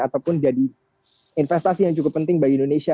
ataupun jadi investasi yang cukup penting bagi indonesia